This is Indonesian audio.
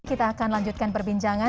kita akan lanjutkan perbincangan